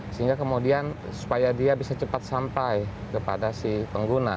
sehingga kemudian supaya dia bisa cepat sampai kepada si pengguna